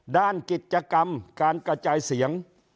ด้านกิจกรรมการกระจายเสียง